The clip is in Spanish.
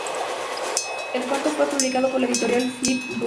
El cuento fue publicado por la editorial "Flip book".